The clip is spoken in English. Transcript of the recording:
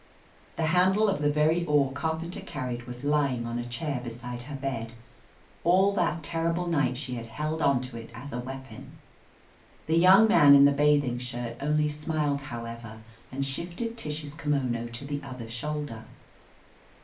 The handle of the very oar Carpenter carried was lying on a chair beside her bed. All that terrible night she had held on to it as a weapon. The young man in the bathing shirt only smiled, however, and shifted Tish's kimono to the other shoulder.